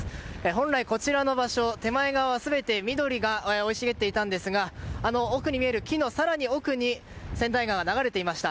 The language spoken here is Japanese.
本来こちらの場所手前側は全て緑が生い茂っていたんですがあの奥に見える木の更に奥に千代川は流れていました。